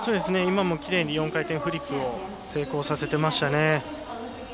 今もきれいに４回転フリップを成功させていましたね。